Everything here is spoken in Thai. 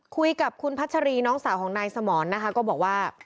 คุยกับคุณพัชรีน้องสาวของนายสมรนะคะก็บอกว่า